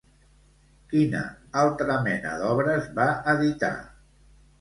Quina altra mena d'obres va editar?